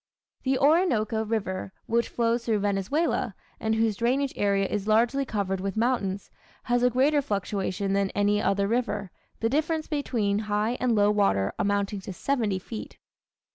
The Orinoco River, which flows through Venezuela, and whose drainage area is largely covered with mountains, has a greater fluctuation than any other river, the difference between high and low water amounting to seventy feet.